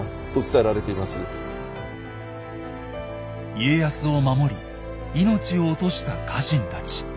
家康を守り命を落とした家臣たち。